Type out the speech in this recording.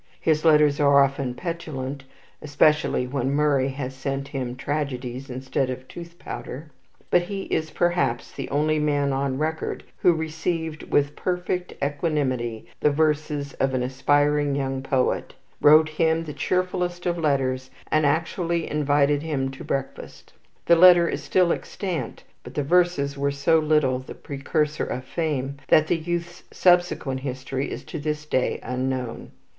His letters are often petulant, especially when Murray has sent him tragedies instead of tooth powder; but he is perhaps the only man on record who received with perfect equanimity the verses of an aspiring young poet, wrote him the cheerfullest of letters, and actually invited him to breakfast. The letter is still extant; but the verses were so little the precursor of fame that the youth's subsequent history is to this day unknown.